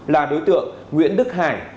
là đối tượng nguyễn đức hải